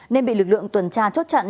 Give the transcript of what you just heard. nên bị lực lượng tuần tra chốt chặn